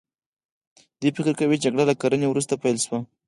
دوی فکر کوي جګړه له کرنې وروسته پیل شوه.